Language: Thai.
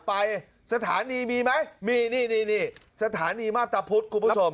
ไปสถานีมีไหมมีนี่นี่สถานีมาพตะพุธคุณผู้ชม